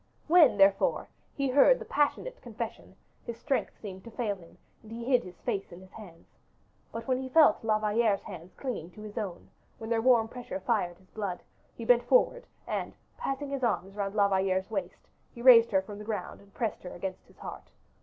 When, therefore, he heard the passionate confession, his strength seemed to fail him, and he hid his face in his hands. But when he felt La Valliere's hands clinging to his own, when their warm pressure fired his blood, he bent forward, and passing his arm round La Valliere's waist, he raised her from the ground and pressed her against his heart.